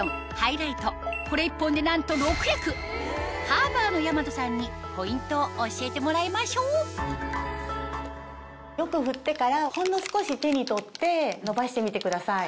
ハーバーの大和さんにポイントを教えてもらいましょうよく振ってからほんの少し手に取って伸ばしてみてください。